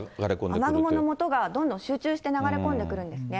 雨雲のもとが、どんどん集中して流れ込んでくるんですね。